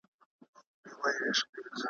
لیونی د خرابات مې پل په پل ږدي.